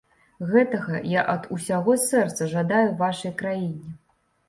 Гэтага я ад усяго сэрца жадаю вашай краіне.